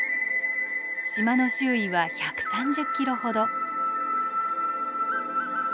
島の周囲は１３０キロほど。